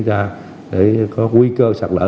có nguy cơ sạt lỡ